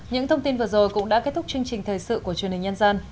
những thông tin vừa rồi cũng đã kết thúc chương trình thời sự của truyền hình nhân dân